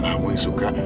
kamu yang suka